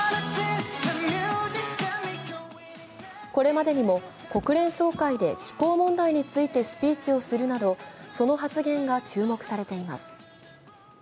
これまでにも、国連総会で気候問題についてスピーチをするなどその発言が注目されています。